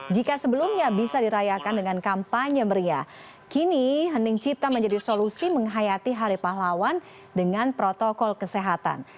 jika sebelumnya bisa dirayakan dengan kampanye meriah kini hening cipta menjadi solusi menghayati hari pahlawan dengan protokol kesehatan